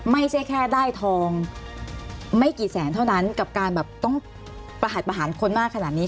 ไม่ใช่แค่ได้ทองไม่กี่แสนเท่านั้นกับการแบบต้องประหัสประหารคนมากขนาดนี้